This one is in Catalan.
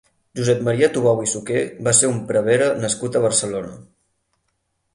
Josep Maria Tubau i Suqué va ser un prevere nascut a Barcelona.